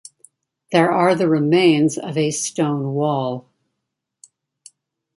There are the remains of a stone wall.